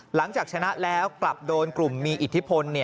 หลังจากชนะแล้วกลับโดนกลุ่มมีอิทธิพล